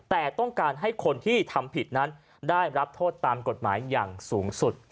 แต่ต้องการให้คนที่ทำผิดนั้นได้รับโทษตามกฎหมายอย่างสูงสุด